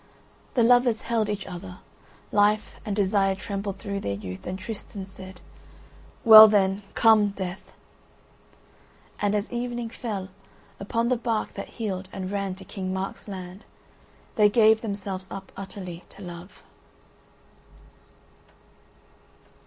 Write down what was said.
The lovers held each other; life and desire trembled through their youth, and Tristan said, "Well then, come Death." And as evening fell, upon the bark that heeled and ran to King Mark's land, they gave themselves up utterly to love.